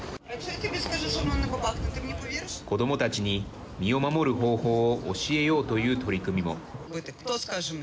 子どもたちに身を守る方法を教えようという取り組みも。